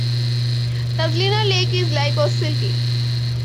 Tazlina Lake is likewise silty.